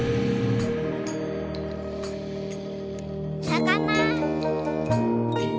さかな。